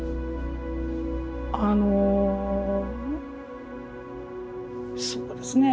あのそうですね